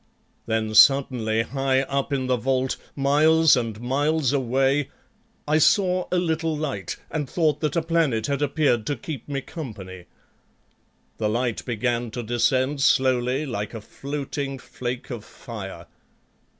Then suddenly high up in the vault, miles and miles away, I saw a little light and thought that a planet had appeared to keep me company. The light began to descend slowly, like a floating flake of fire.